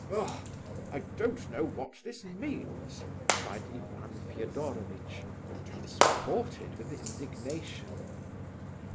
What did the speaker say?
"Oh, I don't know what this means" cried Ivan Fedorovitch, transported with indignation.